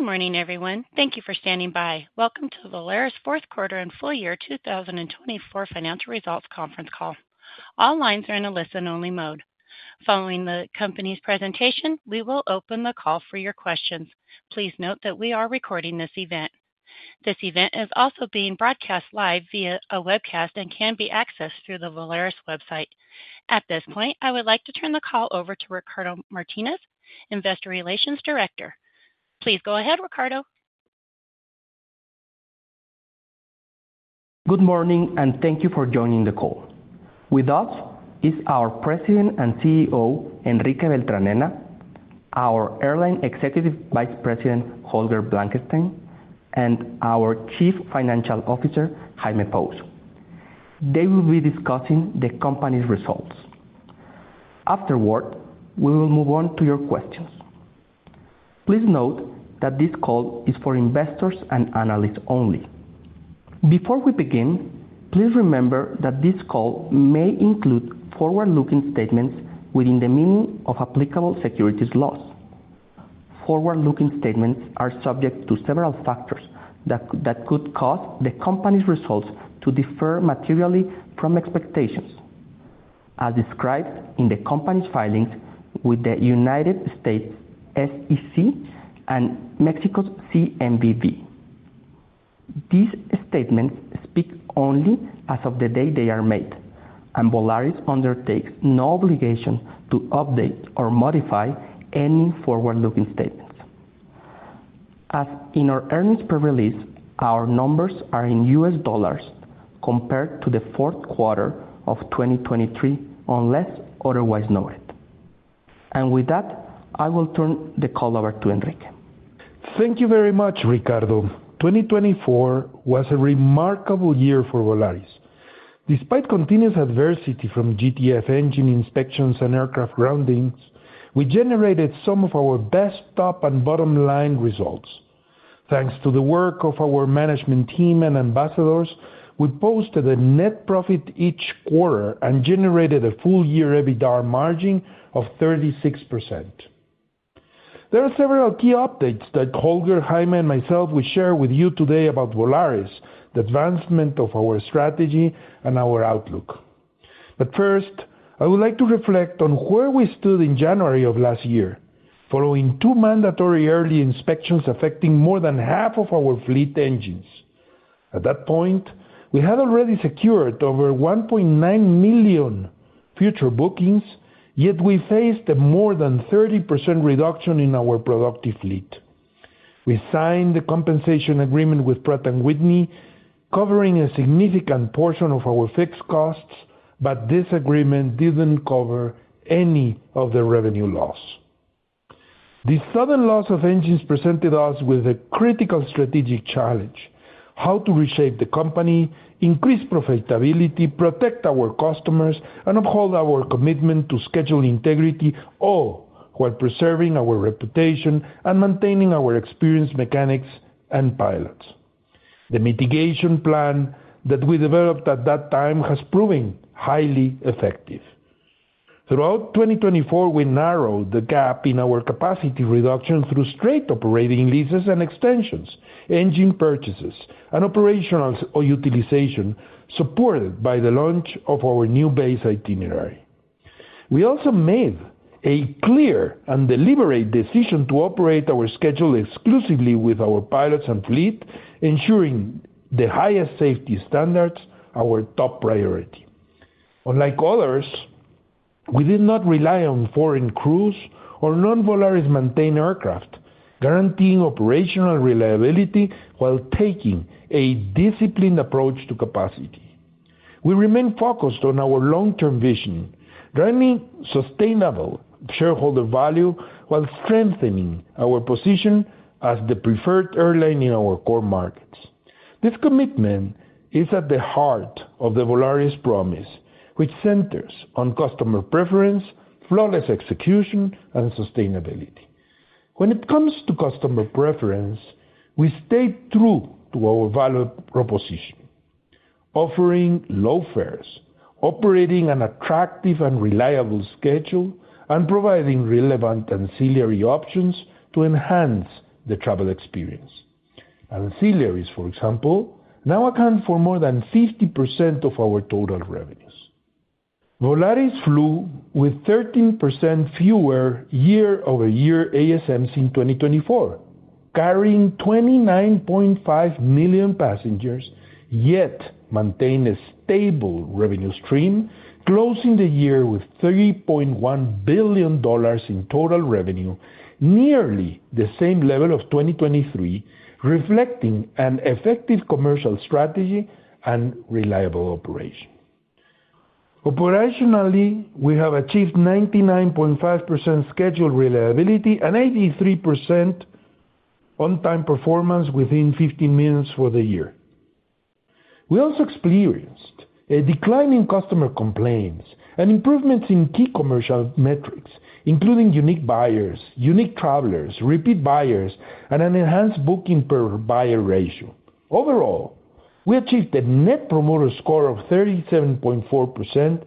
Good morning, everyone. Thank you for standing by. Welcome to the Volaris Fourth Quarter and Full Year 2024 Financial Results Conference Call. All lines are in a listen-only mode. Following the company's presentation, we will open the call for your questions. Please note that we are recording this event. This event is also being broadcast live via a webcast and can be accessed through the Volaris website. At this point, I would like to turn the call over to Ricardo Martinez, Investor Relations Director. Please go ahead, Ricardo. Good morning, and thank you for joining the call. With us is our President and CEO, Enrique Beltranena, our Airline Executive Vice President, Holger Blankenstein, and our Chief Financial Officer, Jaime Pous. They will be discussing the company's results. Afterward, we will move on to your questions. Please note that this call is for investors and analysts only. Before we begin, please remember that this call may include forward-looking statements within the meaning of applicable securities laws. Forward-looking statements are subject to several factors that could cause the company's results to differ materially from expectations, as described in the company's filings with the United States SEC and Mexico's CNBV. These statements speak only as of the day they are made, and Volaris undertakes no obligation to update or modify any forward-looking statements. As in our earnings press release, our numbers are in US dollars compared to the fourth quarter of 2023 unless otherwise noted. With that, I will turn the call over to Enrique. Thank you very much, Ricardo. 2024 was a remarkable year for Volaris. Despite continuous adversity from GTF engine inspections and aircraft groundings, we generated some of our best top and bottom line results. Thanks to the work of our management team and Ambassadors, we posted a net profit each quarter and generated a full-year EBITDA margin of 36%. There are several key updates that Holger, Jaime, and myself will share with you today about Volaris, the advancement of our strategy, and our outlook. But first, I would like to reflect on where we stood in January of last year, following two mandatory early inspections affecting more than half of our fleet engines. At that point, we had already secured over 1.9 million future bookings, yet we faced a more than 30% reduction in our productive fleet. We signed the compensation agreement with Pratt & Whitney, covering a significant portion of our fixed costs, but this agreement didn't cover any of the revenue loss. This sudden loss of engines presented us with a critical strategic challenge: how to reshape the company, increase profitability, protect our customers, and uphold our commitment to schedule integrity all while preserving our reputation and maintaining our experienced mechanics and pilots. The mitigation plan that we developed at that time has proven highly effective. Throughout 2024, we narrowed the gap in our capacity reduction through straight operating leases and extensions, engine purchases, and operational utilization supported by the launch of our new base itinerary. We also made a clear and deliberate decision to operate our schedule exclusively with our pilots and fleet, ensuring the highest safety standards are our top priority. Unlike others, we did not rely on foreign crews or non-Volaris-maintained aircraft, guaranteeing operational reliability while taking a disciplined approach to capacity. We remained focused on our long-term vision, driving sustainable shareholder value while strengthening our position as the preferred airline in our core markets. This commitment is at the heart of the Volaris promise, which centers on customer preference, flawless execution, and sustainability. When it comes to customer preference, we stayed true to our value proposition, offering low fares, operating an attractive and reliable schedule, and providing relevant ancillary options to enhance the travel experience. Ancillaries, for example, now account for more than 50% of our total revenues. Volaris flew with 13% fewer year-over-year ASMs in 2024, carrying 29.5 million passengers, yet maintained a stable revenue stream, closing the year with $3.1 billion in total revenue, nearly the same level of 2023, reflecting an effective commercial strategy and reliable operation. Operationally, we have achieved 99.5% schedule reliability and 83% on-time performance within 15 minutes for the year. We also experienced a decline in customer complaints and improvements in key commercial metrics, including unique buyers, unique travelers, repeat buyers, and an enhanced booking per buyer ratio. Overall, we achieved a Net Promoter Score of 37.4%,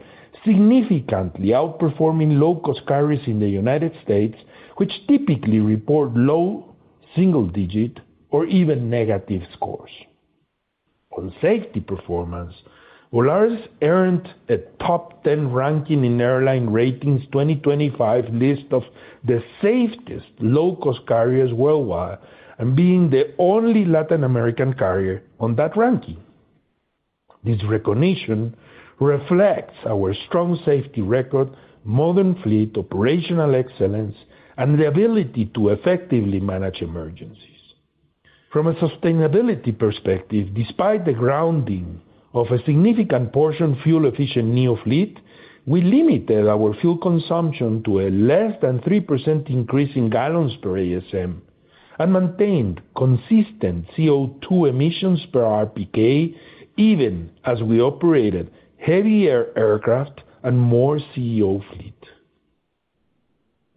significantly outperforming low-cost carriers in the United States, which typically report low single-digit or even negative scores. On safety performance, Volaris earned a top 10 ranking in Airline Ratings 2025 list of the safest low-cost carriers worldwide, and being the only Latin American carrier on that ranking. This recognition reflects our strong safety record, modern fleet operational excellence, and the ability to effectively manage emergencies. From a sustainability perspective, despite the grounding of a significant portion of fuel-efficient NEO fleet, we limited our fuel consumption to a less than 3% increase in gallons per ASM and maintained consistent CO2 emissions per RPK even as we operated heavier aircraft and more CEO fleet.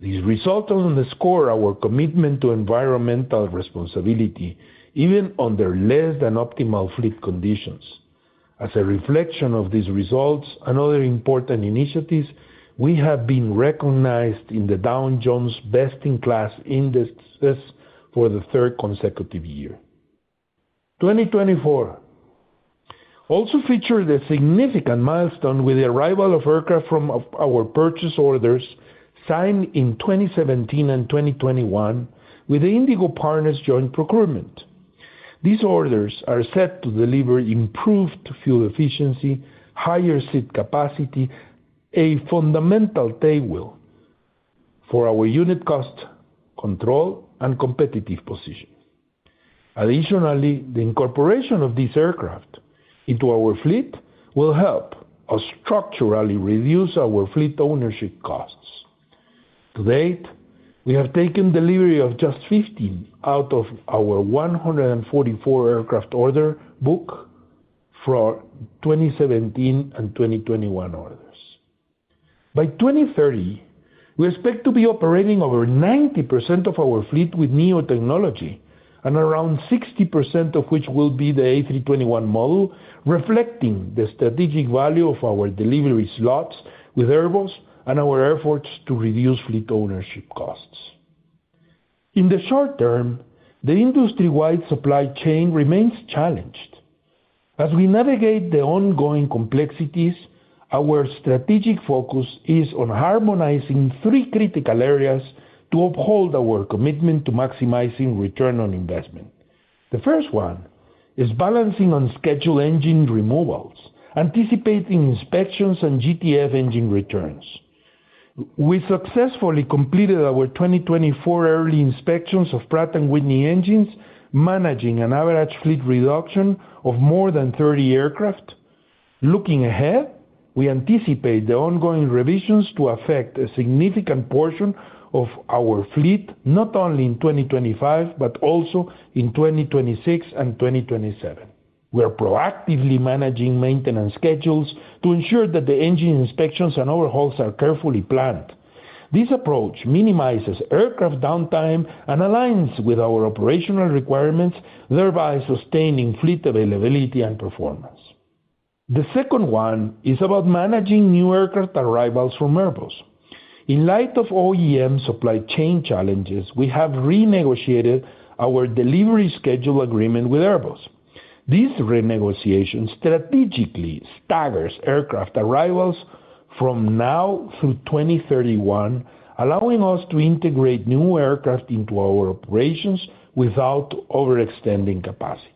These results underscore our commitment to environmental responsibility even under less than optimal fleet conditions. As a reflection of these results and other important initiatives, we have been recognized in the Dow Jones Sustainability indices for the third consecutive year. 2024 also featured a significant milestone with the arrival of aircraft from our purchase orders signed in 2017 and 2021 with the Indigo Partners joint procurement. These orders are set to deliver improved fuel efficiency, higher seat capacity, a fundamental staple for our unit cost control and competitive position. Additionally, the incorporation of these aircraft into our fleet will help us structurally reduce our fleet ownership costs. To date, we have taken delivery of just 15 out of our 144 aircraft order book from 2017 and 2021 orders. By 2030, we expect to be operating over 90% of our fleet with new technology, and around 60% of which will be the A321 model, reflecting the strategic value of our delivery slots with Airbus and our airports to reduce fleet ownership costs. In the short term, the industry-wide supply chain remains challenged. As we navigate the ongoing complexities, our strategic focus is on harmonizing three critical areas to uphold our commitment to maximizing return on investment. The first one is balancing on schedule engine removals, anticipating inspections and GTF engine returns. We successfully completed our 2024 early inspections of Pratt & Whitney engines, managing an average fleet reduction of more than 30 aircraft. Looking ahead, we anticipate the ongoing revisions to affect a significant portion of our fleet not only in 2025 but also in 2026 and 2027. We are proactively managing maintenance schedules to ensure that the engine inspections and overhauls are carefully planned. This approach minimizes aircraft downtime and aligns with our operational requirements, thereby sustaining fleet availability and performance. The second one is about managing new aircraft arrivals from Airbus. In light of OEM supply chain challenges, we have renegotiated our delivery schedule agreement with Airbus. This renegotiation strategically staggers aircraft arrivals from now through 2031, allowing us to integrate new aircraft into our operations without overextending capacity.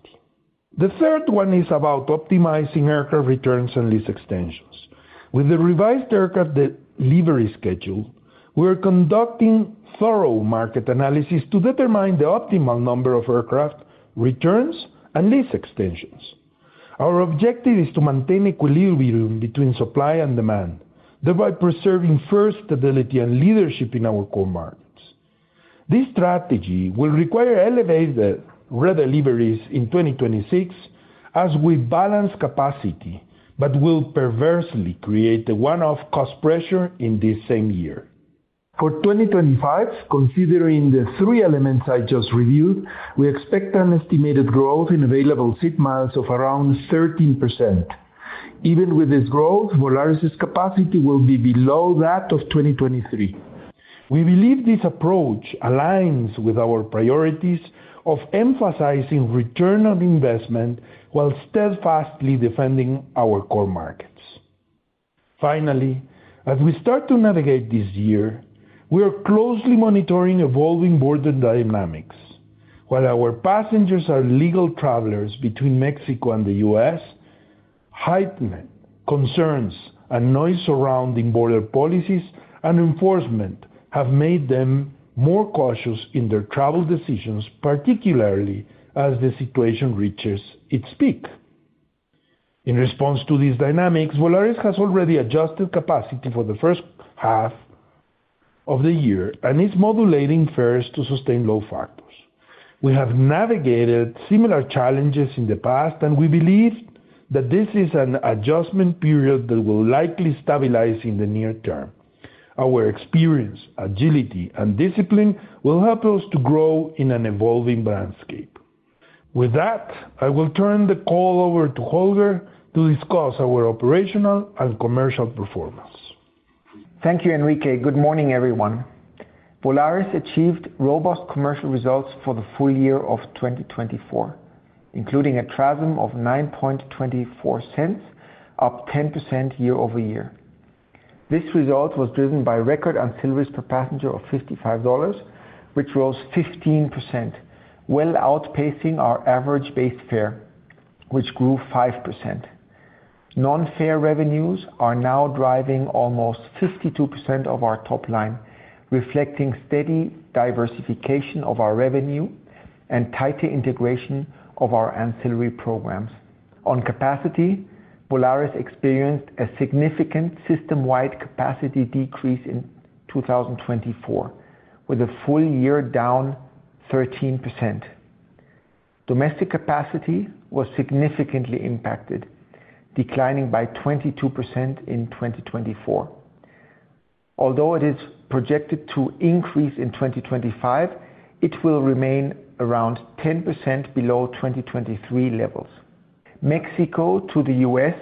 The third one is about optimizing aircraft returns and lease extensions. With the revised aircraft delivery schedule, we are conducting thorough market analysis to determine the optimal number of aircraft returns and lease extensions. Our objective is to maintain equilibrium between supply and demand, thereby preserving fares stability and leadership in our core markets. This strategy will require elevated redeliveries in 2026 as we balance capacity but will perversely create a one-off cost pressure in this same year. For 2025, considering the three elements I just reviewed, we expect an estimated growth in available seat miles of around 13%. Even with this growth, Volaris's capacity will be below that of 2023. We believe this approach aligns with our priorities of emphasizing return on investment while steadfastly defending our core markets. Finally, as we start to navigate this year, we are closely monitoring evolving border dynamics. While our passengers are legal travelers between Mexico and the U.S., heightened concerns and noise surrounding border policies and enforcement have made them more cautious in their travel decisions, particularly as the situation reaches its peak. In response to these dynamics, Volaris has already adjusted capacity for the first half of the year and is modulating fares to sustain load factors. We have navigated similar challenges in the past, and we believe that this is an adjustment period that will likely stabilize in the near term. Our experience, agility, and discipline will help us to grow in an evolving landscape. With that, I will turn the call over to Holger to discuss our operational and commercial performance. Thank you, Enrique. Good morning, everyone. Volaris achieved robust commercial results for the full year of 2024, including a TRASM of $0.0924, up 10% year-over-year. This result was driven by record ancillaries per passenger of $55, which rose 15%, well outpacing our average base fare, which grew 5%. Non-fare revenues are now driving almost 52% of our top line, reflecting steady diversification of our revenue and tighter integration of our ancillary programs. On capacity, Volaris experienced a significant system-wide capacity decrease in 2024, with a full year down 13%. Domestic capacity was significantly impacted, declining by 22% in 2024. Although it is projected to increase in 2025, it will remain around 10% below 2023 levels. Mexico to the U.S.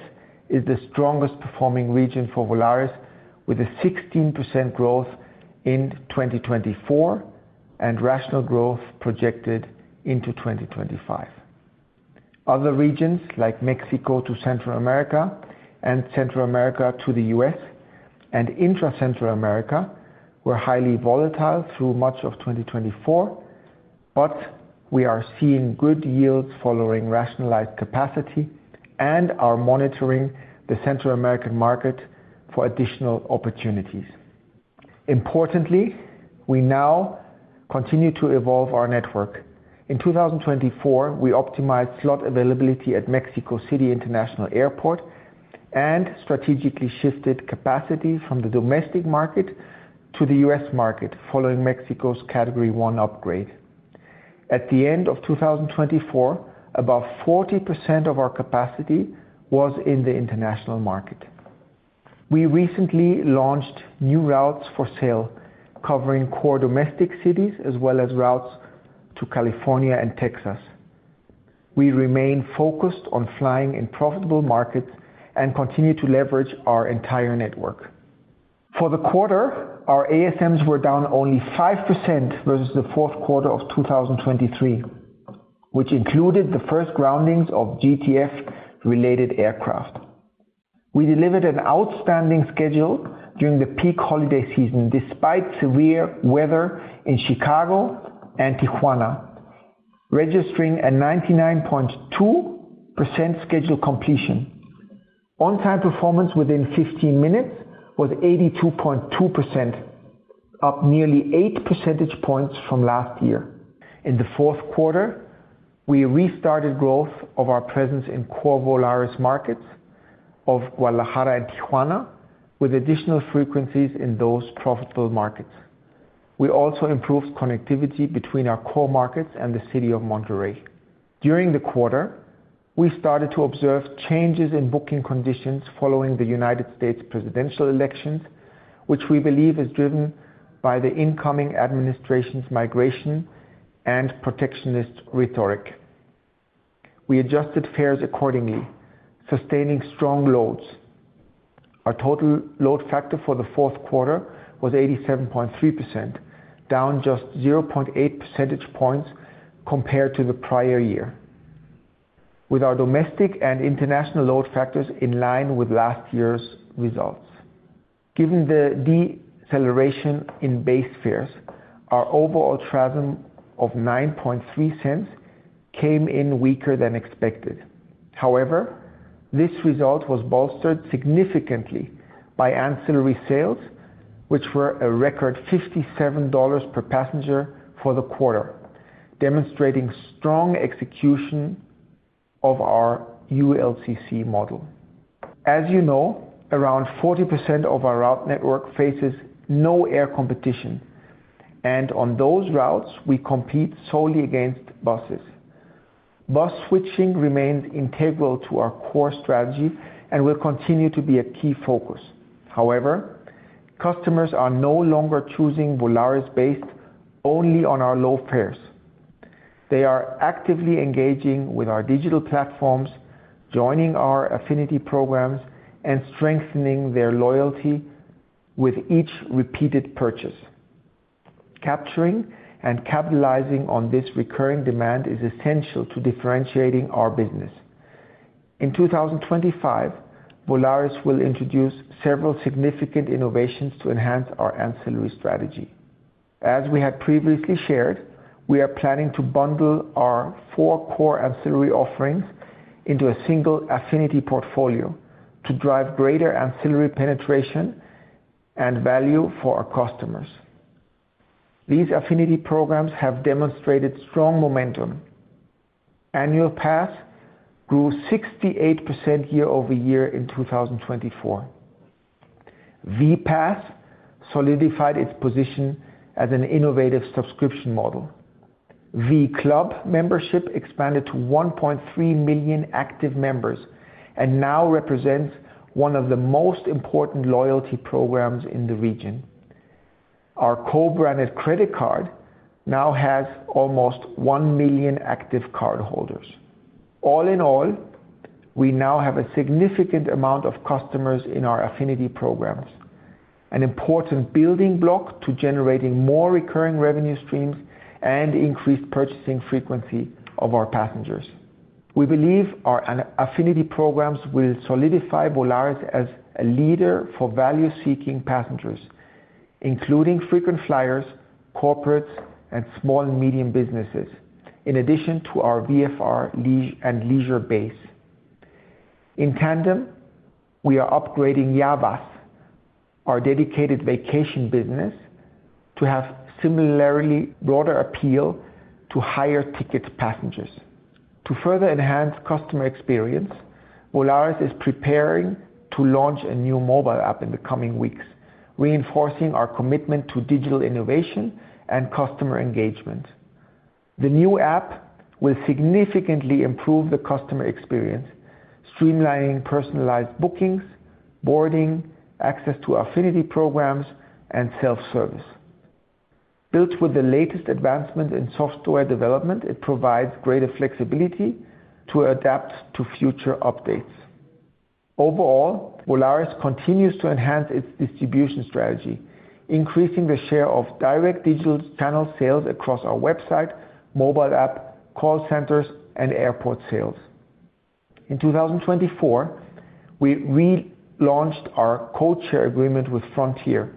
is the strongest performing region for Volaris, with a 16% growth in 2024 and rational growth projected into 2025. Other regions, like Mexico to Central America and Central America to the U.S. and intra-Central America, were highly volatile through much of 2024, but we are seeing good yields following rationalized capacity and are monitoring the Central American market for additional opportunities. Importantly, we now continue to evolve our network. In 2024, we optimized slot availability at Mexico City International Airport and strategically shifted capacity from the domestic market to the U.S. market following Mexico's Category 1 upgrade. At the end of 2024, about 40% of our capacity was in the international market. We recently launched new routes for sale covering core domestic cities as well as routes to California and Texas. We remain focused on flying in profitable markets and continue to leverage our entire network. For the quarter, our ASMs were down only 5% versus the fourth quarter of 2023, which included the first groundings of GTF-related aircraft. We delivered an outstanding schedule during the peak holiday season despite severe weather in Chicago and Tijuana, registering a 99.2% schedule completion. On-time performance within 15 minutes was 82.2%, up nearly 8 percentage points from last year. In the fourth quarter, we restarted growth of our presence in core Volaris markets of Guadalajara and Tijuana, with additional frequencies in those profitable markets. We also improved connectivity between our core markets and the city of Monterrey. During the quarter, we started to observe changes in booking conditions following the United States presidential elections, which we believe is driven by the incoming administration's migration and protectionist rhetoric. We adjusted fares accordingly, sustaining strong loads. Our total load factor for the fourth quarter was 87.3%, down just 0.8 percentage points compared to the prior year, with our domestic and international load factors in line with last year's results. Given the deceleration in base fares, our overall TRASM of $0.093 came in weaker than expected. However, this result was bolstered significantly by ancillary sales, which were a record $57 per passenger for the quarter, demonstrating strong execution of our ULCC model. As you know, around 40% of our route network faces no air competition, and on those routes, we compete solely against buses. Bus switching remains integral to our core strategy and will continue to be a key focus. However, customers are no longer choosing Volaris based only on our low fares. They are actively engaging with our digital platforms, joining our affinity programs, and strengthening their loyalty with each repeated purchase. Capturing and capitalizing on this recurring demand is essential to differentiating our business. In 2025, Volaris will introduce several significant innovations to enhance our ancillary strategy. As we had previously shared, we are planning to bundle our four core ancillary offerings into a single affinity portfolio to drive greater ancillary penetration and value for our customers. These affinity programs have demonstrated strong momentum. Annual Pass grew 68% year over year in 2024. v.pass solidified its position as an innovative subscription model. v.club membership expanded to 1.3 million active members and now represents one of the most important loyalty programs in the region. Our co-branded credit card now has almost 1 million active cardholders. All in all, we now have a significant amount of customers in our affinity programs, an important building block to generating more recurring revenue streams and increased purchasing frequency of our passengers. We believe our affinity programs will solidify Volaris as a leader for value-seeking passengers, including frequent flyers, corporates, and small and medium businesses, in addition to our VFR and leisure base. In tandem, we are upgrading Ya Vas, our dedicated vacation business, to have similarly broader appeal to higher ticket passengers. To further enhance customer experience, Volaris is preparing to launch a new mobile app in the coming weeks, reinforcing our commitment to digital innovation and customer engagement. The new app will significantly improve the customer experience, streamlining personalized bookings, boarding, access to affinity programs, and self-service. Built with the latest advancements in software development, it provides greater flexibility to adapt to future updates. Overall, Volaris continues to enhance its distribution strategy, increasing the share of direct digital channel sales across our website, mobile app, call centers, and airport sales. In 2024, we relaunched our codeshare agreement with Frontier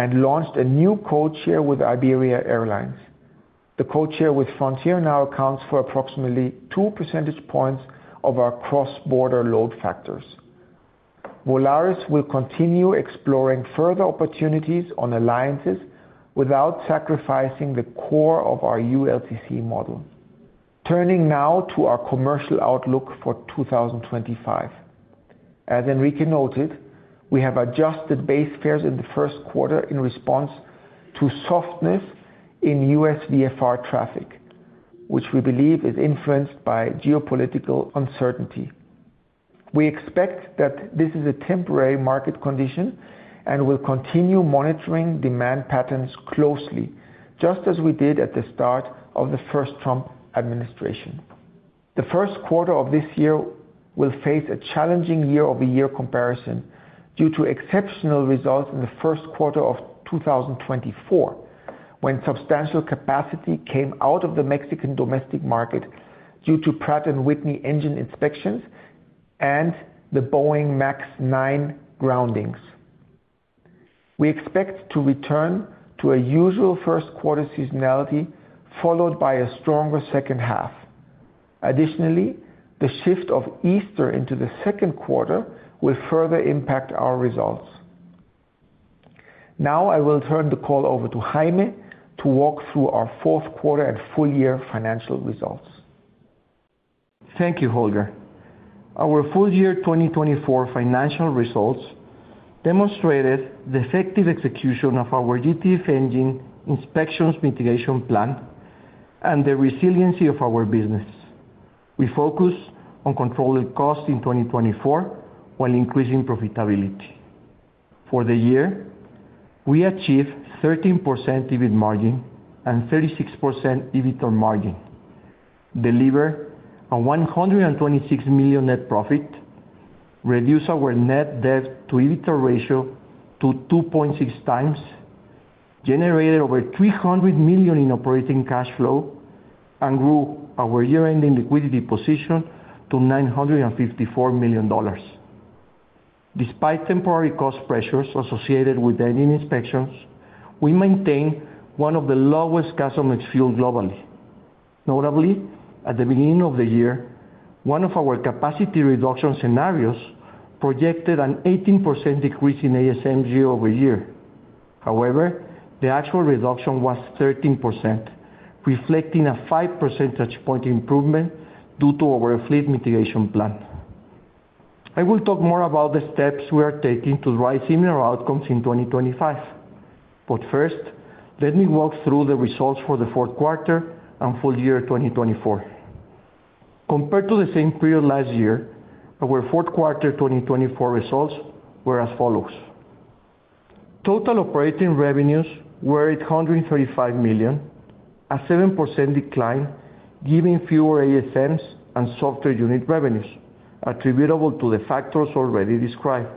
and launched a new codeshare with Iberia Airlines. The codeshare with Frontier now accounts for approximately 2 percentage points of our cross-border load factors. Volaris will continue exploring further opportunities on alliances without sacrificing the core of our ULCC model. Turning now to our commercial outlook for 2025. As Enrique noted, we have adjusted base fares in the first quarter in response to softness in U.S. VFR traffic, which we believe is influenced by geopolitical uncertainty. We expect that this is a temporary market condition and will continue monitoring demand patterns closely, just as we did at the start of the first Trump administration. The first quarter of this year will face a challenging year-over-year comparison due to exceptional results in the first quarter of 2024, when substantial capacity came out of the Mexican domestic market due to Pratt & Whitney engine inspections and the Boeing 737 MAX 9 groundings. We expect to return to a usual first-quarter seasonality followed by a stronger second half. Additionally, the shift of Easter into the second quarter will further impact our results. Now I will turn the call over to Jaime to walk through our fourth quarter and full-year financial results. Thank you, Holger. Our full-year 2024 financial results demonstrated the effective execution of our GTF engine inspections mitigation plan and the resiliency of our business. We focused on controlling costs in 2024 while increasing profitability. For the year, we achieved 13% EBIT margin and 36% EBITDA margin, delivered a $126 million net profit, reduced our net debt-to-EBITDA ratio to 2.6 times, generated over $300 million in operating cash flow, and grew our year-ending liquidity position to $954 million. Despite temporary cost pressures associated with engine inspections, we maintained one of the lowest CASM ex-fuel globally. Notably, at the beginning of the year, one of our capacity reduction scenarios projected an 18% decrease in ASM year-over-year. However, the actual reduction was 13%, reflecting a 5 percentage point improvement due to our fleet mitigation plan. I will talk more about the steps we are taking to drive similar outcomes in 2025, but first, let me walk through the results for the fourth quarter and full-year 2024. Compared to the same period last year, our fourth quarter 2024 results were as follows. Total operating revenues were $835 million, a 7% decline, giving fewer ASMs and softer unit revenues, attributable to the factors already described.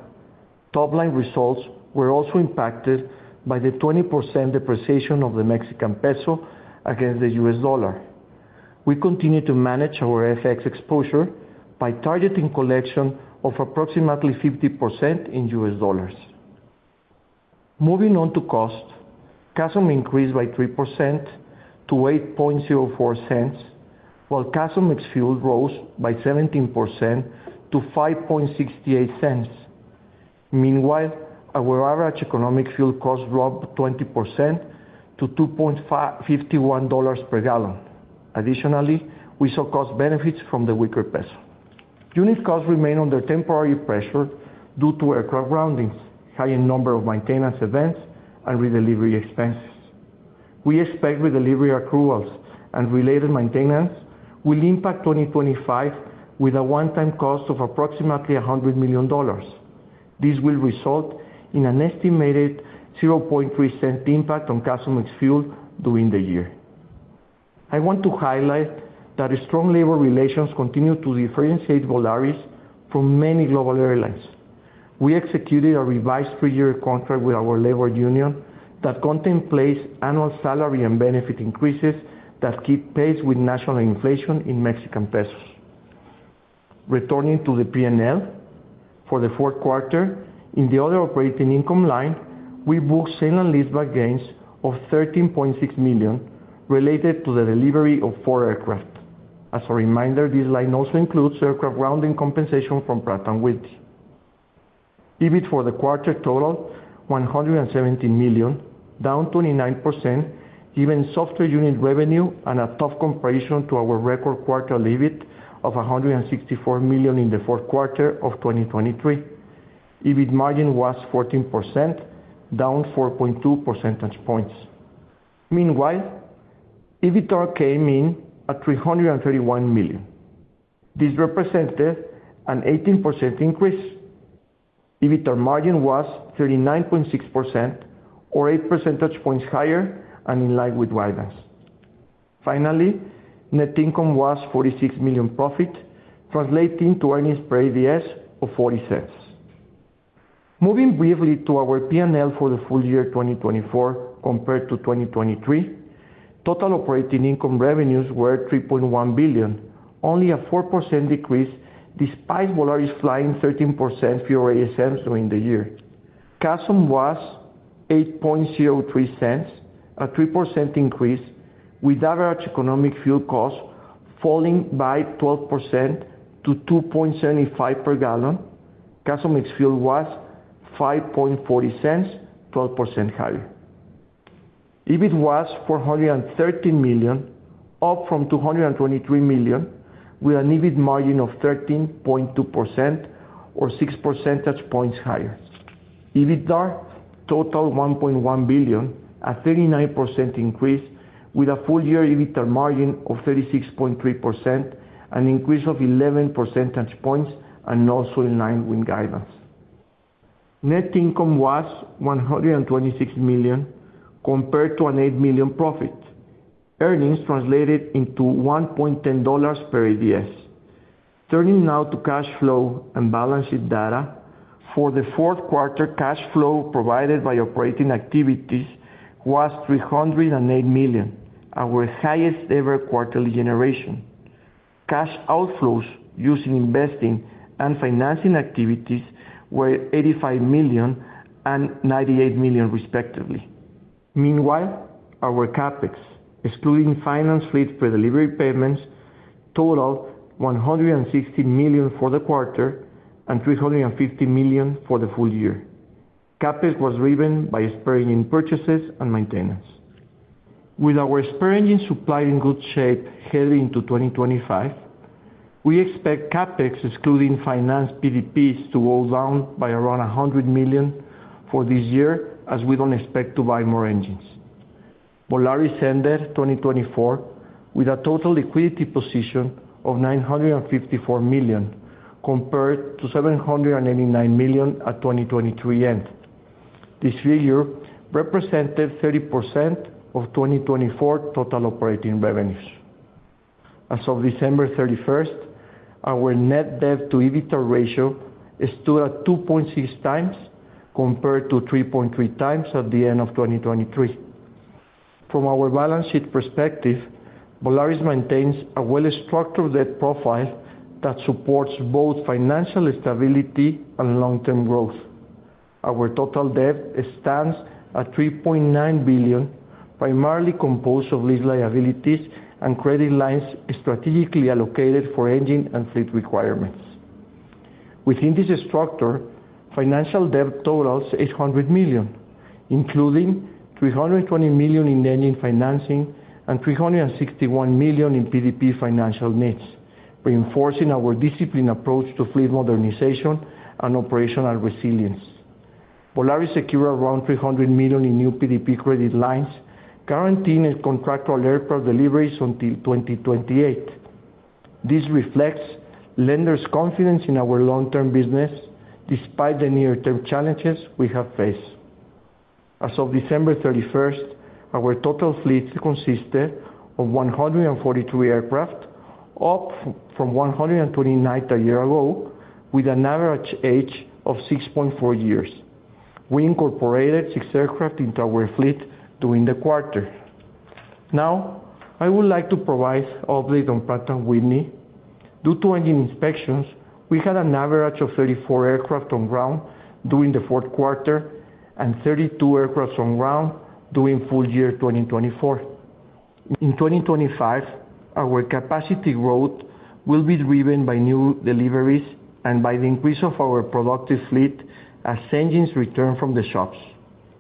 Top-line results were also impacted by the 20% depreciation of the Mexican peso against the U.S. dollar. We continue to manage our FX exposure by targeting collection of approximately 50% in U.S. dollars. Moving on to cost, CASM increased by 3% to $8.04, while CASM ex-fuel rose by 17% to $5.68. Meanwhile, our average economic fuel cost dropped 20% to $2.51 per gallon. Additionally, we saw cost benefits from the weaker peso. Unit costs remain under temporary pressure due to aircraft groundings, higher number of maintenance events, and redelivery expenses. We expect redelivery accruals and related maintenance will impact 2025 with a one-time cost of approximately $100 million. This will result in an estimated 0.3 cent impact on CASM ex-fuel during the year. I want to highlight that strong labor relations continue to differentiate Volaris from many global airlines. We executed a revised three-year contract with our labor union that contemplates annual salary and benefit increases that keep pace with national inflation in Mexican pesos. Returning to the P&L for the fourth quarter, in the other operating income line, we booked sale and leaseback gains of $13.6 million related to the delivery of four aircraft. As a reminder, this line also includes aircraft grounding compensation from Pratt & Whitney. EBIT for the quarter totaled $117 million, down 29%, giving softer unit revenue and a tough comparison to our record quarter EBIT of $164 million in the fourth quarter of 2023. EBIT margin was 14%, down 4.2 percentage points. Meanwhile, EBITDA came in at $331 million. This represented an 18% increase. EBITDA margin was 39.6%, or 8 percentage points higher and in line with guidance. Finally, net income was $46 million profit, translating to earnings per ADS of $0.40. Moving briefly to our P&L for the full year 2024 compared to 2023, total operating income revenues were $3.1 billion, only a 4% decrease despite Volaris flying 13% fewer ASMs during the year. CASM ex-fuel was $8.03, a 3% increase, with average economic fuel cost falling by 12% to $2.75 per gallon. CASM ex-fuel was $5.40, 12% higher. EBITDA was $413 million, up from $223 million, with an EBIT margin of 13.2%, or 6 percentage points higher. EBITDA totaled $1.1 billion, a 39% increase, with a full-year EBITDA margin of 36.3%, an increase of 11 percentage points and also in line with guidance. Net income was $126 million compared to an $8 million profit. Earnings translated into $1.10 per ADS. Turning now to cash flow and balance sheet data, for the fourth quarter, cash flow provided by operating activities was $308 million, our highest ever quarterly generation. Cash outflows from investing and financing activities were $85 million and $98 million, respectively. Meanwhile, our CapEx, excluding financed fleet and pre-delivery payments, totaled $160 million for the quarter and $350 million for the full year. CapEx was driven by spare engine purchases and maintenance. With our spare engine supply in good shape heading into 2025, we expect CapEx, excluding finance PDPs, to hold down by around $100 million for this year, as we don't expect to buy more engines. Volaris ended 2024 with a total liquidity position of $954 million compared to $789 million at 2023 end. This figure represented 30% of 2024 total operating revenues. As of December 31st, our net debt-to-EBITDA ratio stood at 2.6 times compared to 3.3 times at the end of 2023. From our balance sheet perspective, Volaris maintains a well-structured debt profile that supports both financial stability and long-term growth. Our total debt stands at $3.9 billion, primarily composed of lease liabilities and credit lines strategically allocated for engine and fleet requirements. Within this structure, financial debt totals $800 million, including $320 million in engine financing and $361 million in PDP financial needs, reinforcing our disciplined approach to fleet modernization and operational resilience. Volaris secured around $300 million in new PDP credit lines, guaranteeing a contractual aircraft deliveries until 2028. This reflects lenders' confidence in our long-term business, despite the near-term challenges we have faced. As of December 31st, our total fleet consisted of 143 aircraft, up from 129 a year ago, with an average age of 6.4 years. We incorporated six aircraft into our fleet during the quarter. Now, I would like to provide an update on Pratt & Whitney. Due to engine inspections, we had an average of 34 aircraft on ground during the fourth quarter and 32 aircraft on ground during full-year 2024. In 2025, our capacity growth will be driven by new deliveries and by the increase of our productive fleet as engines return from the shops.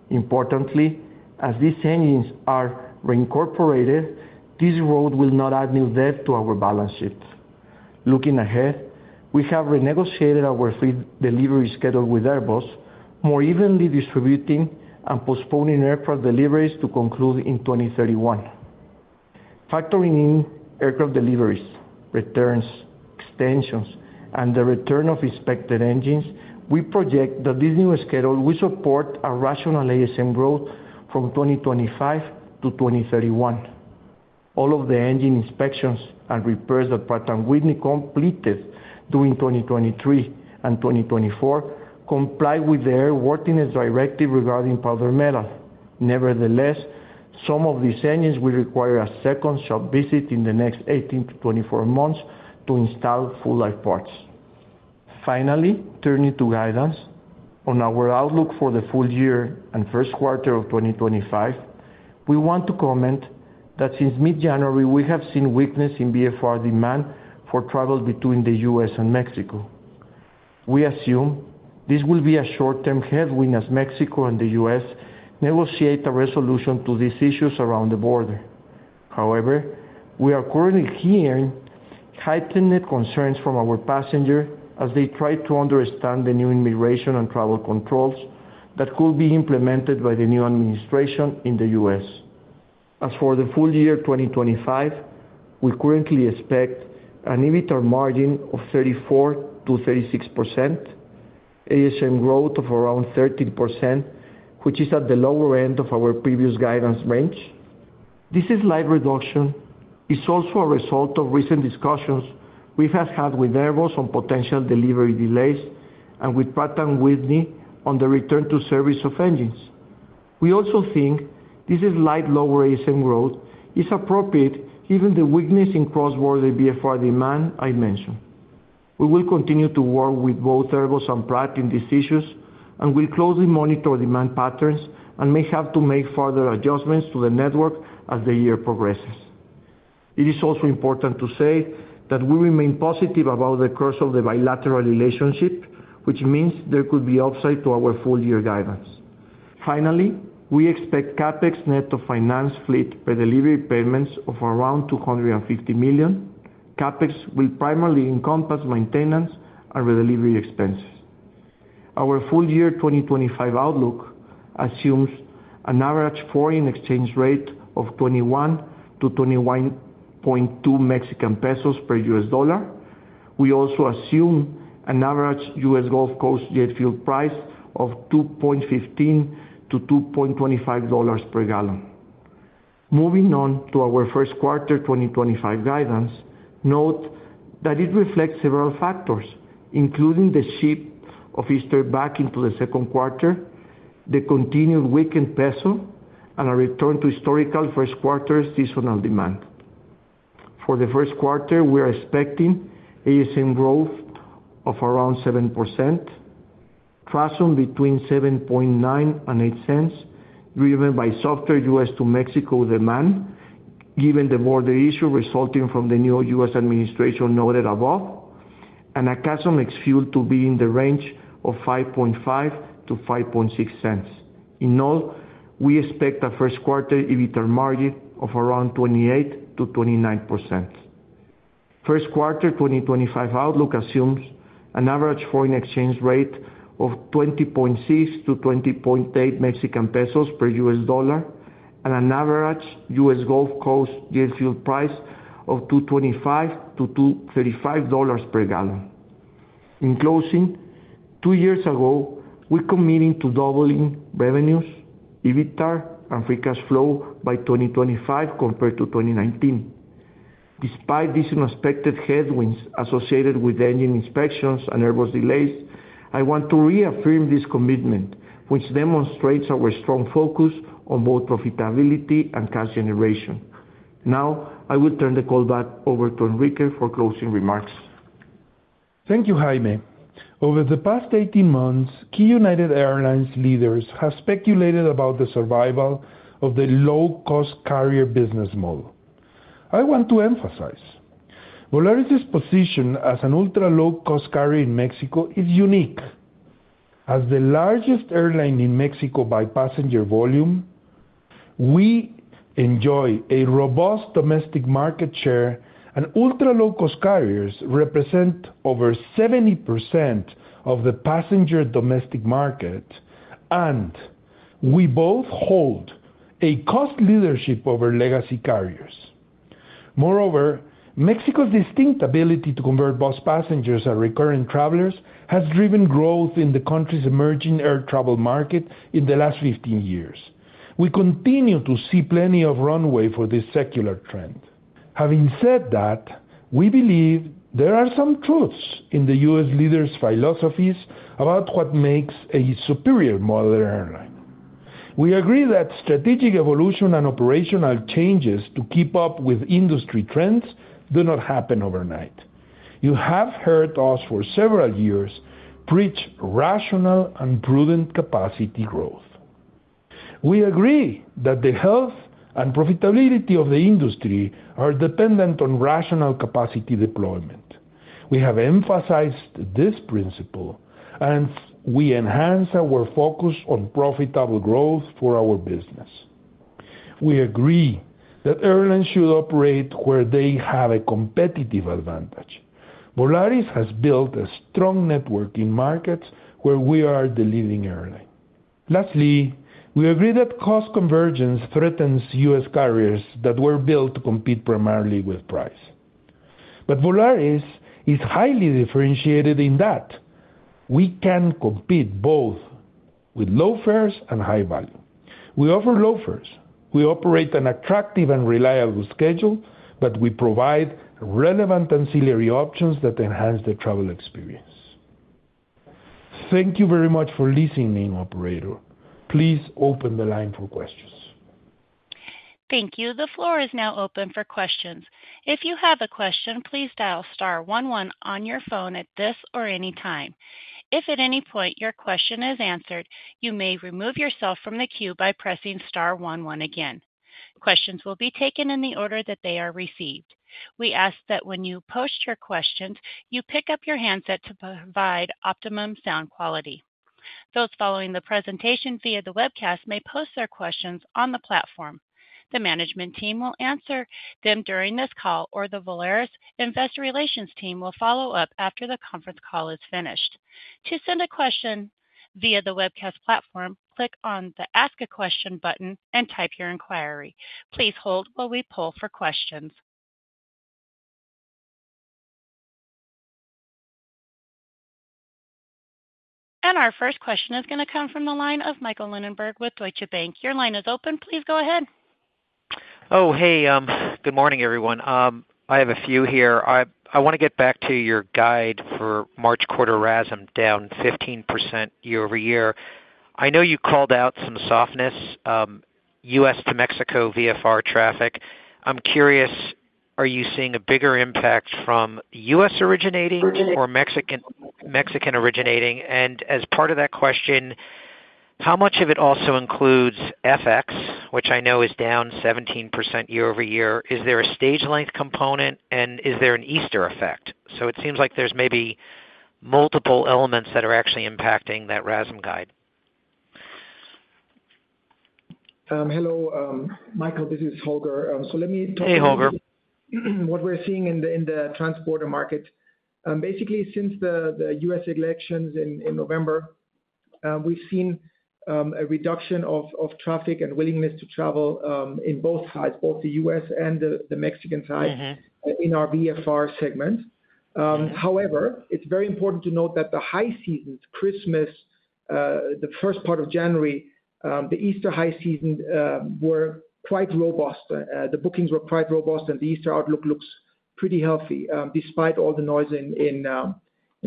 Importantly, as these engines are reincorporated, this growth will not add new debt to our balance sheet. Looking ahead, we have renegotiated our fleet delivery schedule with Airbus, more evenly distributing and postponing aircraft deliveries to conclude in 2031. Factoring in aircraft deliveries, returns, extensions, and the return of inspected engines, we project that this new schedule will support a rational ASM growth from 2025 to 2031. All of the engine inspections and repairs that Pratt & Whitney completed during 2023 and 2024 comply with their airworthiness directive regarding powder metal. Nevertheless, some of these engines will require a second shop visit in the next 18 to 24 months to install full-life parts. Finally, turning to guidance on our outlook for the full year and first quarter of 2025, we want to comment that since mid-January, we have seen weakness in VFR demand for travel between the U.S. and Mexico. We assume this will be a short-term headwind as Mexico and the U.S. negotiate a resolution to these issues around the border. However, we are currently hearing heightened concerns from our passengers as they try to understand the new immigration and travel controls that could be implemented by the new administration in the U.S. As for the full year 2025, we currently expect an EBITDA margin of 34%-36%, ASM growth of around 13%, which is at the lower end of our previous guidance range. This slide reduction is also a result of recent discussions we have had with Airbus on potential delivery delays and with Pratt & Whitney on the return to service of engines. We also think this slight lower ASM growth is appropriate, given the weakness in cross-border VFR demand I mentioned. We will continue to work with both Airbus and Pratt & Whitney in these issues, and we'll closely monitor demand patterns and may have to make further adjustments to the network as the year progresses. It is also important to say that we remain positive about the course of the bilateral relationship, which means there could be upside to our full-year guidance. Finally, we expect CapEx net to finance fleet pre-delivery payments of around $250 million. CapEx will primarily encompass maintenance and redelivery expenses. Our full-year 2025 outlook assumes an average foreign exchange rate of 21-21.2 Mexican pesos per U.S. dollar. We also assume an average U.S. Gulf Coast jet fuel price of $2.15-$2.25 per gallon. Moving on to our first quarter 2025 guidance, note that it reflects several factors, including the shift of Easter back into the second quarter, the continued weakened peso, and a return to historical first quarter seasonal demand. For the first quarter, we are expecting ASM growth of around 7%, CASM between $7.9 and $8.0, driven by strong U.S. to Mexico demand, given the border issue resulting from the new U.S. administration noted above, and a CASM ex-fuel to be in the range of $5.5-$5.6. In all, we expect a first quarter EBITDA margin of around 28%-29%. First quarter 2025 outlook assumes an average foreign exchange rate of 20.6 to 20.8 Mexican pesos per U.S. dollar, and an average U.S. Gulf Coast jet fuel price of $2.25-$2.35 per gallon. In closing, two years ago, we committed to doubling revenues, EBITDA, and free cash flow by 2025 compared to 2019. Despite these unexpected headwinds associated with engine inspections and Airbus delays, I want to reaffirm this commitment, which demonstrates our strong focus on both profitability and cash generation. Now, I will turn the call back over to Enrique for closing remarks. Thank you, Jaime. Over the past 18 months, key United Airlines leaders have speculated about the survival of the low-cost carrier business model. I want to emphasize Volaris's position as an ultra-low-cost carrier in Mexico is unique. As the largest airline in Mexico by passenger volume, we enjoy a robust domestic market share, and ultra-low-cost carriers represent over 70% of the passenger domestic market, and we both hold a cost leadership over legacy carriers. Moreover, Mexico's distinct ability to convert bus passengers and recurring travelers has driven growth in the country's emerging air travel market in the last 15 years. We continue to see plenty of runway for this secular trend. Having said that, we believe there are some truths in the U.S. leaders' philosophies about what makes a superior model airline. We agree that strategic evolution and operational changes to keep up with industry trends do not happen overnight. You have heard us for several years preach rational and prudent capacity growth. We agree that the health and profitability of the industry are dependent on rational capacity deployment. We have emphasized this principle, and we enhance our focus on profitable growth for our business. We agree that airlines should operate where they have a competitive advantage. Volaris has built a strong network in markets where we are the leading airline. Lastly, we agree that cost convergence threatens U.S. carriers that were built to compete primarily with price. But Volaris is highly differentiated in that we can compete both with low fares and high value. We offer low fares. We operate an attractive and reliable schedule, but we provide relevant ancillary options that enhance the travel experience. Thank you very much for listening, Operator. Please open the line for questions. Thank you. The floor is now open for questions. If you have a question, please dial star 11 on your phone at this or any time. If at any point your question is answered, you may remove yourself from the queue by pressing star 11 again. Questions will be taken in the order that they are received. We ask that when you post your questions, you pick up your handset to provide optimum sound quality. Those following the presentation via the webcast may post their questions on the platform. The management team will answer them during this call, or the Volaris Investor Relations team will follow up after the conference call is finished. To send a question via the webcast platform, click on the Ask a Question button and type your inquiry. Please hold while we poll for questions, and our first question is going to come from the line of Michael Linenberg with Deutsche Bank. Your line is open. Please go ahead. Oh, hey. Good morning, everyone. I have a few here. I want to get back to your guide for March quarter RASM down 15% year over year. I know you called out some softness, U.S. to Mexico VFR traffic. I'm curious, are you seeing a bigger impact from U.S. originating or Mexican originating? And as part of that question, how much of it also includes FX, which I know is down 17% year over year? Is there a stage length component, and is there an Easter effect? So it seems like there's maybe multiple elements that are actually impacting that RASM guide. Hello, Michael. This is Holger. So let me talk about. Hey, Holger. What we're seeing in the transborder market, basically since the U.S. elections in November, we've seen a reduction of traffic and willingness to travel in both sides, both the U.S. and the Mexican side, in our VFR segment. However, it's very important to note that the high seasons, Christmas, the first part of January, the Easter high season were quite robust. The bookings were quite robust, and the Easter outlook looks pretty healthy despite all the noise in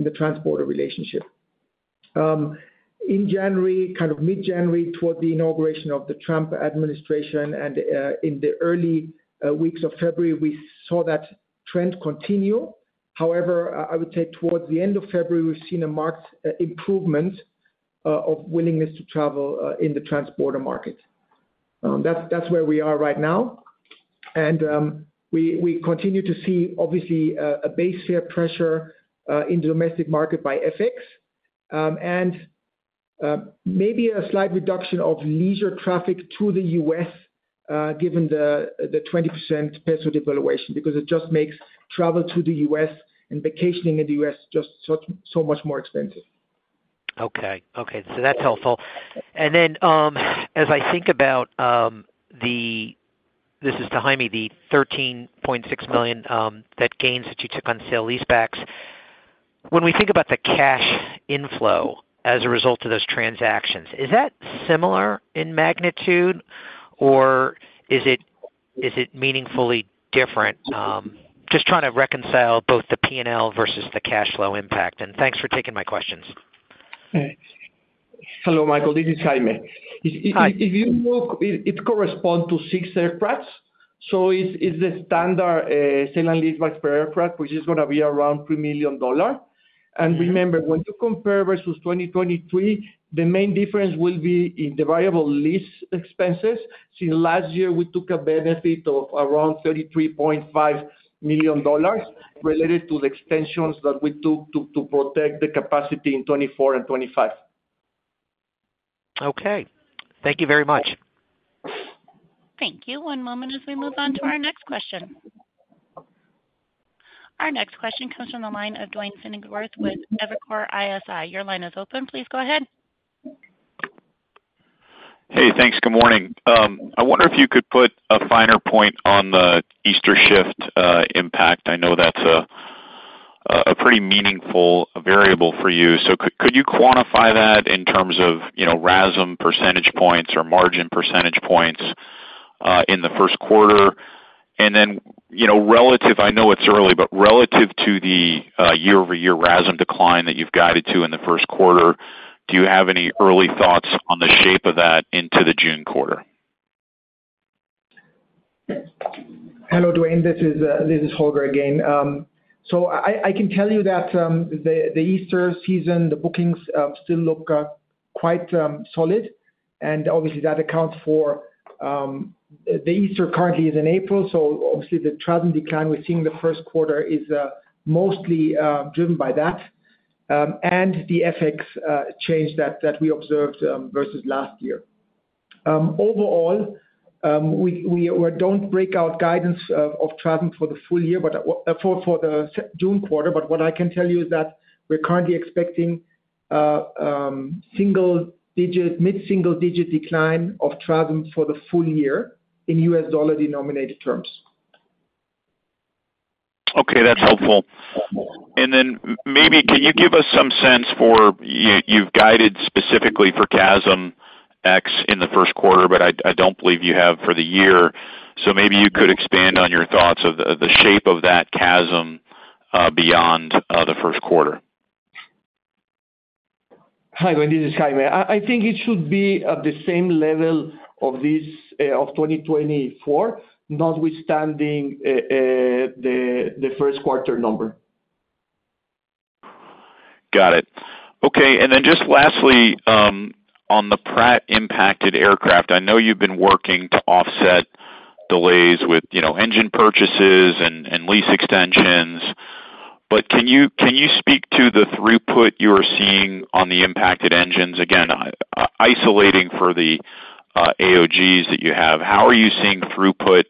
the transborder relationship. In January, kind of mid-January toward the inauguration of the Trump administration and in the early weeks of February, we saw that trend continue. However, I would say towards the end of February, we've seen a marked improvement of willingness to travel in the transborder market. That's where we are right now, and we continue to see, obviously, a base fare pressure in the domestic market by FX and maybe a slight reduction of leisure traffic to the U.S. given the 20% peso devaluation because it just makes travel to the U.S. and vacationing in the U.S. just so much more expensive. Okay. Okay. So that's helpful. And then, as I think about this, this is to Jaime, the $13.6 million in gains that you took on sale and leasebacks, when we think about the cash inflow as a result of those transactions, is that similar in magnitude, or is it meaningfully different? Just trying to reconcile both the P&L versus the cash flow impact. And thanks for taking my questions. Hello, Michael. This is Jaime. If you look, it corresponds to six aircraft. So it's the standard sale and leasebacks per aircraft, which is going to be around $3 million. And remember, when you compare versus 2023, the main difference will be in the variable lease expenses. Since last year, we took a benefit of around $33.5 million related to the extensions that we took to protect the capacity in 2024 and 2025. Okay. Thank you very much. Thank you. One moment as we move on to our next question. Our next question comes from the line of Duane Pfennigwerth with Evercore ISI. Your line is open. Please go ahead. Hey, thanks. Good morning. I wonder if you could put a finer point on the Easter shift impact. I know that's a pretty meaningful variable for you. So could you quantify that in terms of RASM percentage points or margin percentage points in the first quarter? And then relative, I know it's early, but relative to the year-over-year RASM decline that you've guided to in the first quarter, do you have any early thoughts on the shape of that into the June quarter? Hello, Duane. This is Holger again. So I can tell you that the Easter season, the bookings still look quite solid. And obviously, that accounts for the Easter currently is in April. So obviously, the TRASM decline we're seeing in the first quarter is mostly driven by that and the FX change that we observed versus last year. Overall, we don't break out guidance of TRASM for the full year for the June quarter. But what I can tell you is that we're currently expecting single-digit, mid-single-digit decline of TRASM for the full year in U.S. dollar-denominated terms. Okay. That's helpful. And then maybe can you give us some sense for you've guided specifically for CASM ex in the first quarter, but I don't believe you have for the year. So maybe you could expand on your thoughts of the shape of that CASM ex beyond the first quarter. Hi, Duane. This is Jaime. I think it should be at the same level of this of 2024, notwithstanding the first quarter number. Got it. Okay. And then just lastly, on the Pratt impacted aircraft, I know you've been working to offset delays with engine purchases and lease extensions. But can you speak to the throughput you are seeing on the impacted engines? Again, isolating for the AOGs that you have, how are you seeing throughput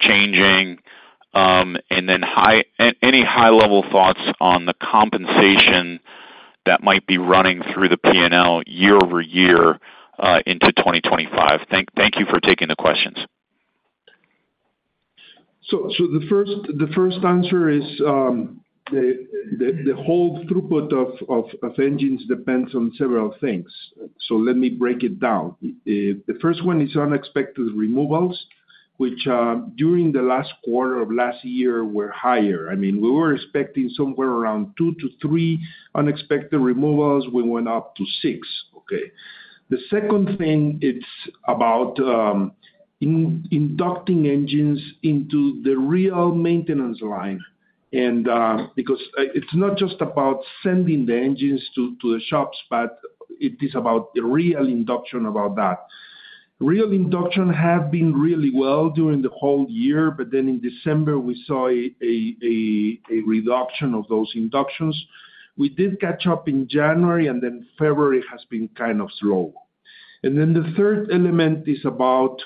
changing? And then any high-level thoughts on the compensation that might be running through the P&L year over year into 2025? Thank you for taking the questions. So the first answer is the whole throughput of engines depends on several things. So let me break it down. The first one is unexpected removals, which during the last quarter of last year were higher. I mean, we were expecting somewhere around two to three unexpected removals. We went up to six. Okay. The second thing is about inducting engines into the real maintenance line. Because it's not just about sending the engines to the shops, but it is about the real induction about that. Real induction has been really well during the whole year, but then in December, we saw a reduction of those inductions. We did catch up in January, and then February has been kind of slow. And then the third element is about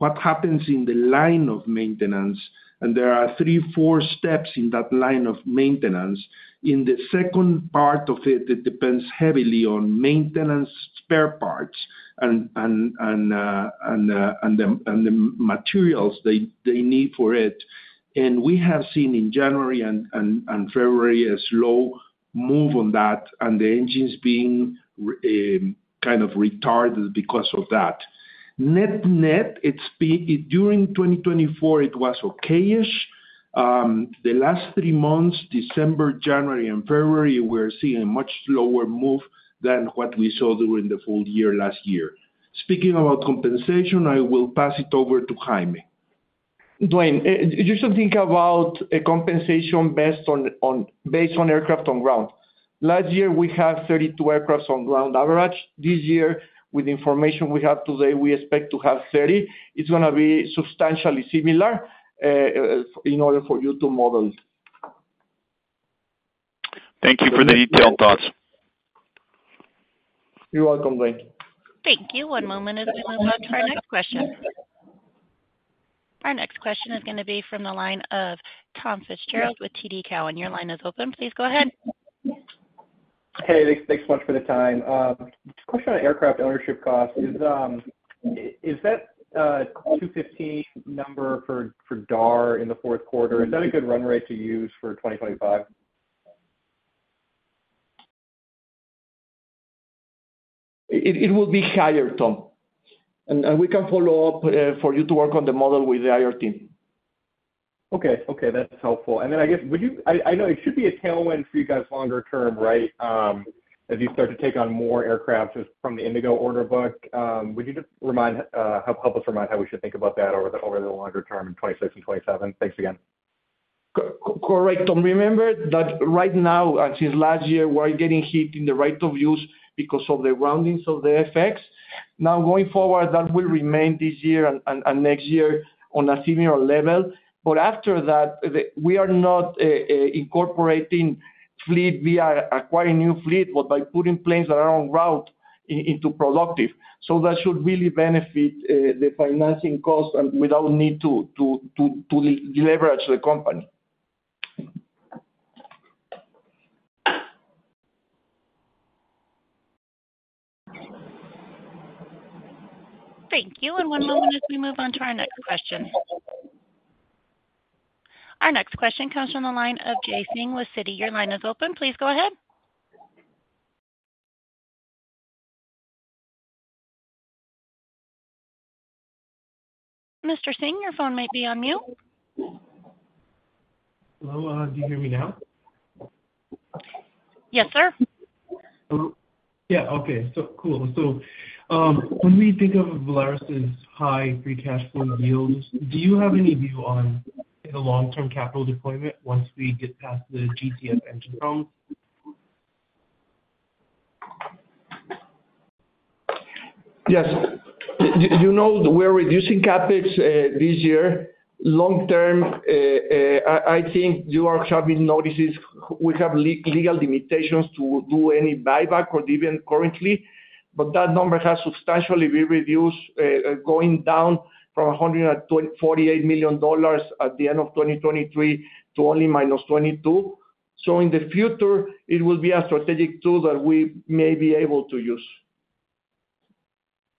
what happens in the line of maintenance. And there are three, four steps in that line of maintenance. In the second part of it, it depends heavily on maintenance spare parts and the materials they need for it. And we have seen in January and February a slow move on that and the engines being kind of retarded because of that. Net net, during 2024, it was okay-ish. The last three months, December, January, and February, we're seeing a much slower move than what we saw during the full year last year. Speaking about compensation, I will pass it over to Jaime. Duane, you should think about compensation based on aircraft on ground. Last year, we had 32 aircraft on ground average. This year, with the information we have today, we expect to have 30. It's going to be substantially similar in order for you to model it. Thank you for the detailed thoughts. You're welcome, Duane. Thank you. One moment as we move on to our next question. Our next question is going to be from the line of Tom Fitzgerald with TD Cowen. Your line is open. Please go ahead. Hey, thanks so much for the time. Question on aircraft ownership costs. Is that 215 number for D&A in the fourth quarter? Is that a good run rate to use for 2025? It will be higher, Tom. And we can follow up for you to work on the model with the IR team. Okay. Okay. That's helpful. And then I guess, I know it should be a tailwind for you guys longer term, right, as you start to take on more aircraft from the Indigo order book. Would you help us remind how we should think about that over the longer term in 2026 and 2027? Thanks again. Correct. And remember that right now, since last year, we're getting hit in the right of use because of the roundings of the FX. Now, going forward, that will remain this year and next year on a similar level. But after that, we are not incorporating fleet via acquiring new fleet, but by putting planes that are on route into productive. So that should really benefit the financing costs without need to leverage the company. Thank you. One moment as we move on to our next question. Our next question comes from the line of Jay Singh with Citi. Your line is open. Please go ahead. Mr. Singh, your phone might be on mute. Hello. Do you hear me now? Yes, sir. Yeah. Okay. So cool. So when we think of Volaris's high free cash flow yields, do you have any view on the long-term capital deployment once we get past the GTF engine problems? Yes. You know we're reducing CapEx this year. Long term, I think you've noticed we have legal limitations to do any buyback or dividend currently, but that number has substantially been reduced, going down from $148 million at the end of 2023 to only minus $22 million. So in the future, it will be a strategic tool that we may be able to use.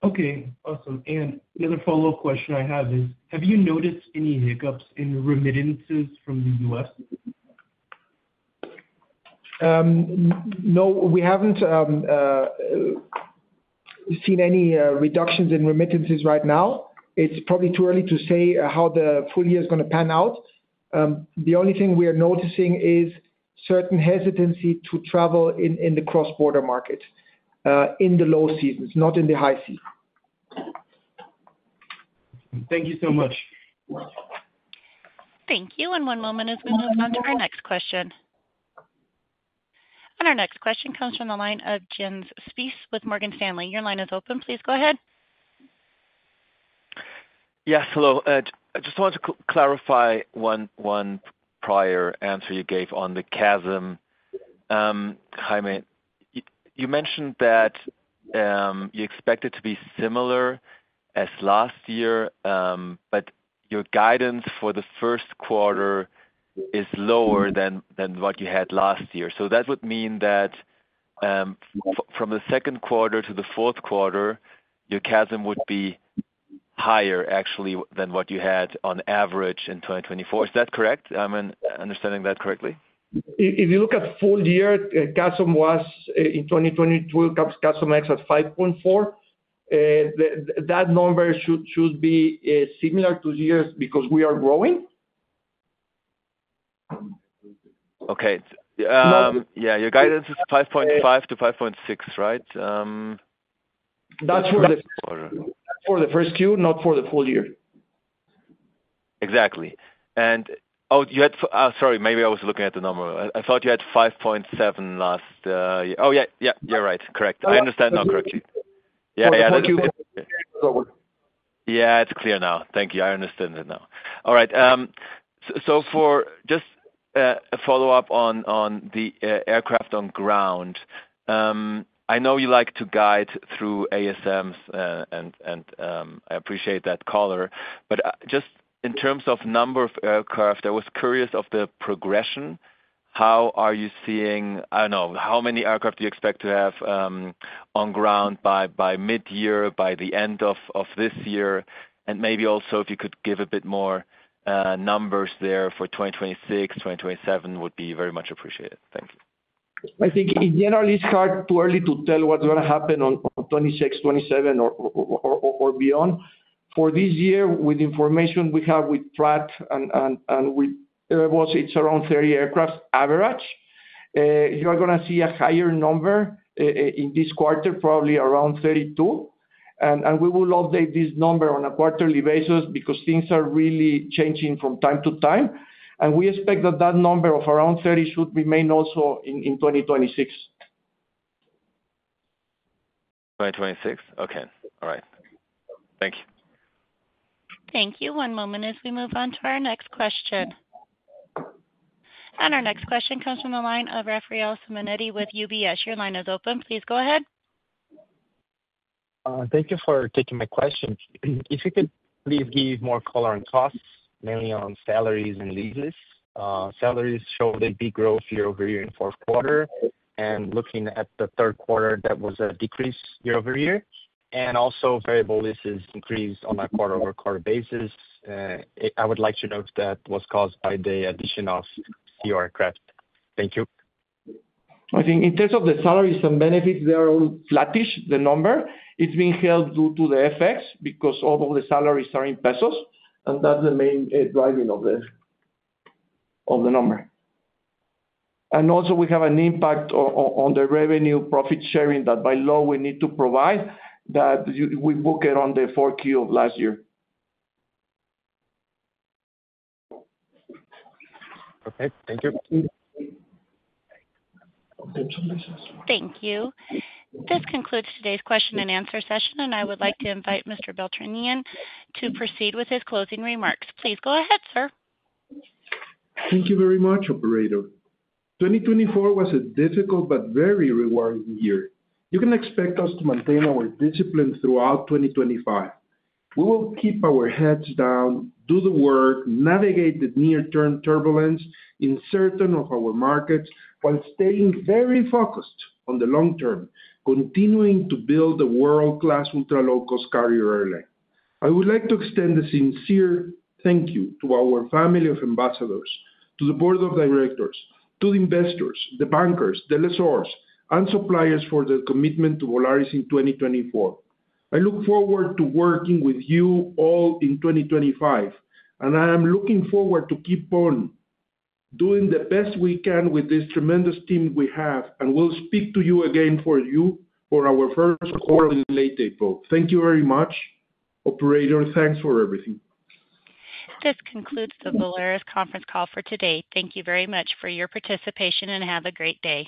Okay. Awesome. And the other follow-up question I have is, have you noticed any hiccups in remittances from the U.S.? No, we haven't seen any reductions in remittances right now. It's probably too early to say how the full year is going to pan out. The only thing we are noticing is certain hesitancy to travel in the cross-border market in the low seasons, not in the high season. Thank you so much. Thank you. And one moment as we move on to our next question. And our next question comes from the line of Jens Spiess with Morgan Stanley. Your line is open. Please go ahead. Yes. Hello. I just want to clarify one prior answer you gave on the CASM. Jaime, you mentioned that you expect it to be similar as last year, but your guidance for the first quarter is lower than what you had last year. So that would mean that from the second quarter to the fourth quarter, your CASM would be higher actually than what you had on average in 2024. Is that correct? I'm understanding that correctly? If you look at full year, CASM was in 2022, CASM ex at 5.4. That number should be similar to years because we are growing. Okay. Yeah. Your guidance is 5.5-5.6, right? That's for the first year, not for the full year. Exactly. And oh, you had. Oh, sorry. Maybe I was looking at the number. I thought you had 5.7 last year. Oh, yeah. Yeah. You're right. Correct. I understand now correctly. Yeah. Yeah. It's clear now. Thank you. I understand it now. All right. So for just a follow-up on the aircraft on ground, I know you like to guide through ASMs, and I appreciate that color. But just in terms of number of aircraft, I was curious of the progression. How are you seeing, I don't know. How many aircraft do you expect to have on ground by mid-year, by the end of this year? And maybe also if you could give a bit more numbers there for 2026, 2027 would be very much appreciated. Thank you. I think in general, it's too early to tell what's going to happen in 2026, 2027, or beyond. For this year, with the information we have with Pratt and with Airbus, it's around 30 aircraft average. You are going to see a higher number in this quarter, probably around 32. And we will update this number on a quarterly basis because things are really changing from time to time. And we expect that that number of around 30 should remain also in 2026. 2026? Okay. All right. Thank you. Thank you. One moment as we move on to our next question. And our next question comes from the line of Rafael Simonetti with UBS. Your line is open. Please go ahead. Thank you for taking my question. If you could please give more color on costs, mainly on salaries and leases. Salaries showed a big growth year over year in fourth quarter. And looking at the third quarter, that was a decrease year over year. And also, variable leases increased on a quarter-over-quarter basis. I would like to note that was caused by the addition of fewer aircraft. Thank you. I think in terms of the salaries and benefits, they are all flattish, the number. It's being held due to the FX because all of the salaries are in pesos. And that's the main driving of the number. And also, we have an impact on the revenue profit sharing that by law we need to provide that we booked in the fourth quarter of last year. Okay. Thank you. Thank you. This concludes today's question and answer session. And I would like to invite Mr. Beltranena to proceed with his closing remarks. Please go ahead, sir. Thank you very much, Operator. 2024 was a difficult but very rewarding year. You can expect us to maintain our discipline throughout 2025. We will keep our heads down, do the work, navigate the near-term turbulence in certain of our markets while staying very focused on the long term, continuing to build the world-class ultra-low-cost carrier airline. I would like to extend a sincere thank you to our family of Ambassadors, to the Board of Directors, to the investors, the bankers, the lessors, and suppliers for the commitment to Volaris in 2024. I look forward to working with you all in 2025, and I am looking forward to keep on doing the best we can with this tremendous team we have, and we'll speak to you again for our first quarter earnings call. Thank you very much, Operator. Thanks for everything. This concludes the Volaris conference call for today. Thank you very much for your participation and have a great day.